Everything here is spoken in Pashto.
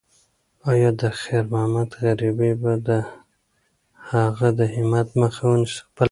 ایا د خیر محمد غریبي به د هغه د همت مخه ونیسي؟